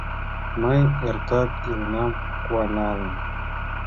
Мый эртак иленам куаналын